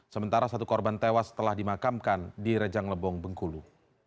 sementara satu korban tewas telah dimakamkan di rejang lebong bengkulu